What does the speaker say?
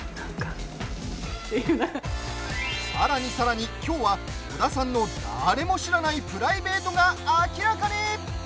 さらに、さらにきょうは織田さんの誰も知らないプライベートが明らかに！